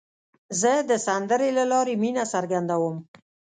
زه د سندرې له لارې مینه څرګندوم.